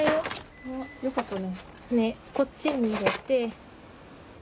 こっちに入れて。